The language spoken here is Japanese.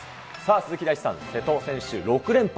鈴木大地さん、瀬戸選手、６連覇。